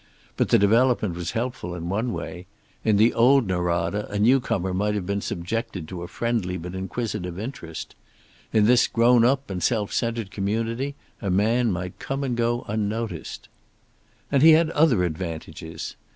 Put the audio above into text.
But the development was helpful in one way. In the old Norada a newcomer might have been subjected to a friendly but inquisitive interest. In this grown up and self centered community a man might come and go unnoticed. And he had other advantages.